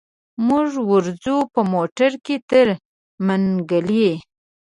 موږ ورځو په موټر کي تر منګلي.